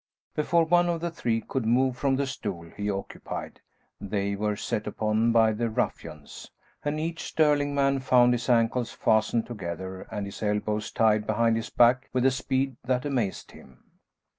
Before one of the three could move from the stool he occupied, they were set upon by the ruffians, and each Stirling man found his ankles fastened together and his elbows tied behind his back with a speed that amazed him.